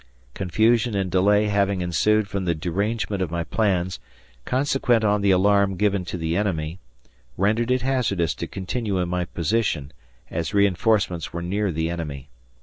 Confusion and delay having ensued from the derangement of my plans, consequent on the alarm given to the enemy, rendered it hazardous to continue in my position, as reinforcements were near the enemy.